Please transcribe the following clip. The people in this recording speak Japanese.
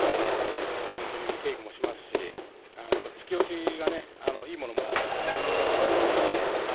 本当に稽古をしますし突き押し、いいもの持っていると思います。